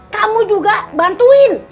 kamu juga bantuin